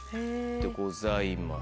でございます。